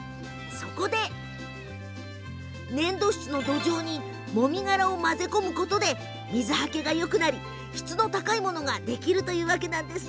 そこで粘土質の土壌にもみ殻を混ぜ込むことで水はけがよくなり質の高いものができるということです。